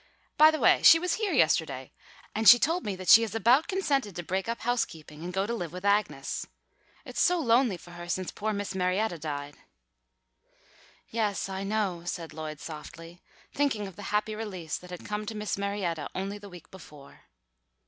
By the way, she was here yesterday, and she told me that she has about consented to break up housekeeping and go to live with Agnes. It's so lonely for her since poor Miss Marietta died." "Yes, I know," said Lloyd softly, thinking of the happy release that had come to Miss Marietta only the week before.